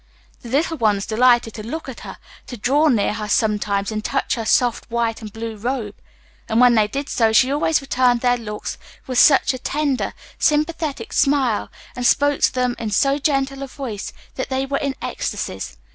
The little ones delighted to look at her, to draw near her sometimes and touch her soft white and blue robe. And, when they did so, she always returned their looks with such a tender, sympathetic smile, and spoke to them in so gentle a voice, that they were in ecstasies.